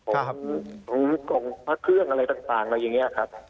ผมกล่องพระเครื่องอะไรต่างอะไรอย่างนี้ครับ